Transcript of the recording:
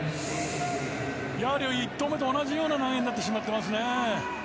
やはり１投目と同じような投げになってしまっていますね。